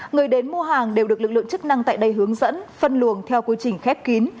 người đến mua hàng đều được lực lượng chức năng tại đây hướng dẫn phân luồng theo quy trình khép kín